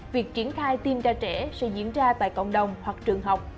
việc triển khai tiêm cho trẻ sẽ diễn ra tại cộng đồng hoặc trường học